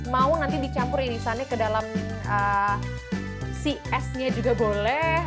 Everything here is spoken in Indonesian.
mau nanti dicampur irisannya ke dalam si esnya juga boleh